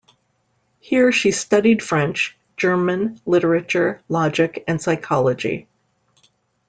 Here she "studied French, German, literature, logic and psychology".